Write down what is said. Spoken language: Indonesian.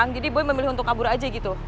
jadi gue memilih untuk kabur aja gitu